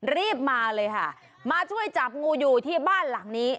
รีบมาเลยค่ะมาช่วยจับงูอยู่ที่บ้านหลังนี้